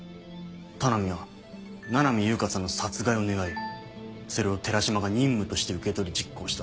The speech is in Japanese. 田波は七海悠香さんの殺害を願いそれを寺島が任務として受け取り実行した。